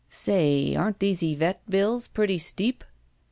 "Say, aren't these Yvette bills pretty steep?